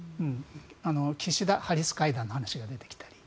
岸田・ハリス会談の話が出てきたり。